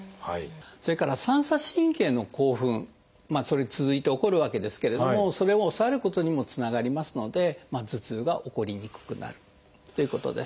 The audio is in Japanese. それから三叉神経の興奮それに続いて起こるわけですけれどもそれを抑えることにもつながりますので頭痛が起こりにくくなるということです。